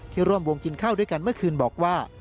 ร่วมวงกินข้าวด้วยกันเมื่อคืนบอกว่า